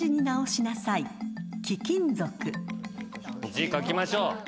字書きましょう。